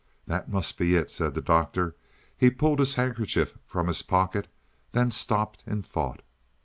"That must be it," said the Doctor. He pulled his handkerchief from his pocket; then he stopped in thought.